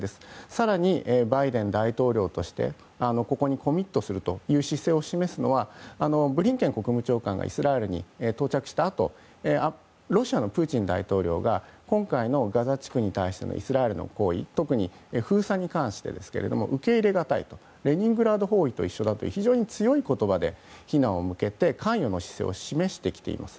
更に、バイデン大統領としてここにコミットするという姿勢を示すのはブリンケン国務長官がイスラエルに到着したあとロシアのプーチン大統領が今回のガザ地区に対してのイスラエルの行為特に封鎖に関してですが受け入れがたいとレニングラード包囲と一緒だと非常に強い言葉で非難を向けて関与の姿勢を示してきています。